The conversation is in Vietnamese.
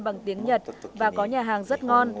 bằng tiếng nhật và có nhà hàng rất ngon